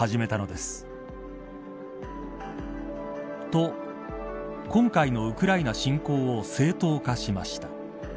と、今回のウクライナ侵攻を正当化しました。